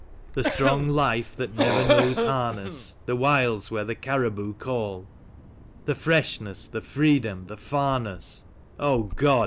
The strong life that never knows harness; The wilds where the caribou call; The freshness, the freedom, the farness — God!